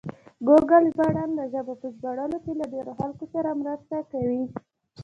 ګوګل ژباړن د ژبو په ژباړلو کې له ډېرو خلکو سره مرسته کوي.